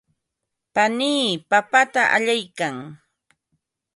panii papata allaykan.